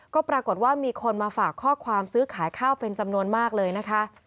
ก็ปรากฏว่ามีคนมาฝากข้อความซื้อขายข้าวเป็นจำนวนมากเลยนะคะ